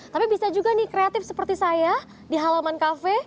tapi bisa juga nih kreatif seperti saya di halaman kafe